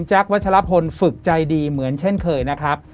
วัชลพลฝึกใจดีเหมือนเช่นเคยนะครับ